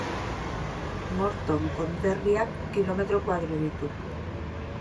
Morton konderriak kilometro koadro ditu.